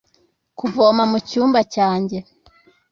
Kuvoma mucyumba cyanjye